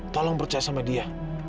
tolong percaya sama dia